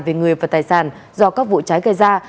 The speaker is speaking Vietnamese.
về người và tài sản do các vụ cháy gây ra